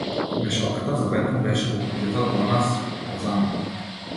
Мешалката за бетон беше во куќата до нас, па замина.